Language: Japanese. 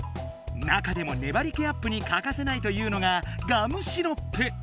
なかでもねばり気アップにかかせないというのがガムシロップ。